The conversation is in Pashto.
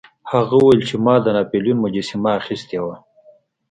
هغه وویل چې ما د ناپلیون مجسمه اخیستې وه.